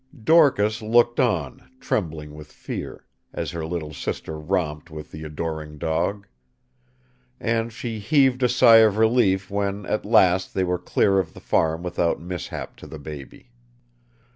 Dorcas looked on, trembling with fear; as her little sister romped with the adoring dog. And she heaved a sigh of relief when at last they were clear of the farm without mishap to the baby.